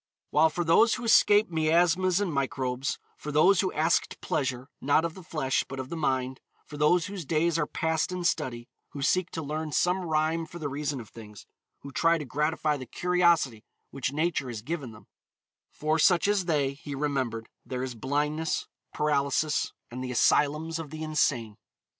While for those who escaped miasmas and microbes; for those who asked pleasure, not of the flesh, but of the mind; for those whose days are passed in study, who seek to learn some rhyme for the reason of things, who try to gratify the curiosity which Nature has given them; for such as they, he remembered, there is blindness, paralysis, and the asylums of the insane.